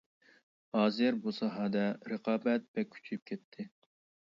ھازىر بۇ ساھەدە رىقابەت بەك كۈچىيىپ كەتتى.